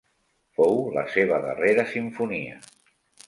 Fou la seva darrera simfonia.